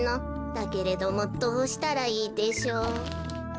だけれどもどうしたらいいでしょう」。